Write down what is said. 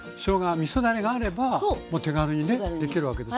みそだれがあればもう手軽にねできるわけです。